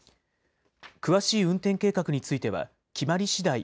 詳しい運転計画については決まりしだい